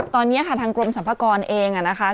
ตอนนี้ค่ะทางกรมสรรพากรเองนะคะ